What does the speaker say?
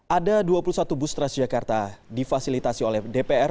ada dua puluh satu bus transjakarta difasilitasi oleh dpr